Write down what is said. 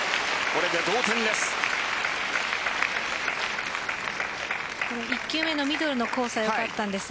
これで同点です。